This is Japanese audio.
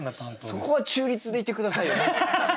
そこは中立でいて下さいよ。